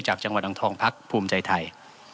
จากจังหวัดอังทองพักภูมิใจไทย